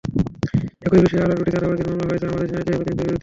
একই বিষয়ে আরও দুটি চাঁদাবাজির মামলা হয়েছে আমাদের ঝিনাইদহ প্রতিনিধির বিরুদ্ধে।